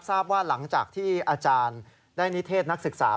ทราบว่าหลังจากที่อาจารย์ได้นิเทศนักศึกษา